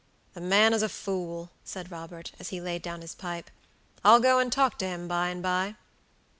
"The man is a fool," said Robert, as he laid down his pipe. "I'll go and talk to him by and by."